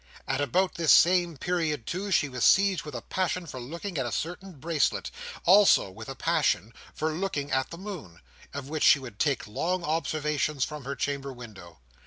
At about this same period too, she was seized with a passion for looking at a certain bracelet; also with a passion for looking at the moon, of which she would take long observations from her chamber window.